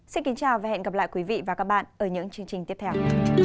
xin kính chào và hẹn gặp lại quý vị và các bạn ở những chương trình tiếp theo